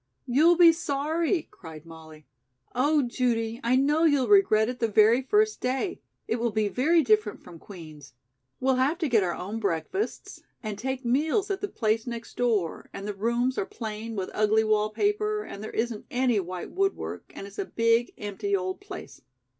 "You'll be sorry," cried Molly. "Oh, Judy, I know you'll regret it the very first day. It will be very different from Queen's. We'll have to get our own breakfasts, and take meals at the place next door, and the rooms are plain with ugly wall paper, and there isn't any white woodwork, and it's a big empty old place.